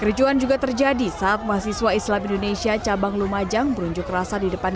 kericuan juga terjadi saat mahasiswa islam indonesia cabang lumajang berunjuk rasa di depan